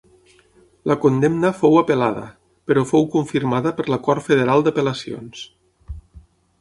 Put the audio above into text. La condemna fou apel·lada, però fou confirmada per la Cort Federal d'Apel·lacions.